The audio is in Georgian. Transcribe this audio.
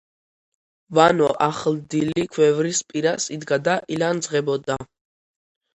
ვანო ახლდილი ქვევრის პირას იდგა და ილანძღებოდა.